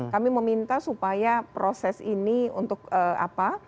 kami meminta supaya proses ini untuk apa